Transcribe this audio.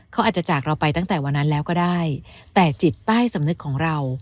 เขาอาจจะจากเราไปตั้งแต่วันนั้นแล้วก็ได้แต่จิตใต้สำนึกของเรา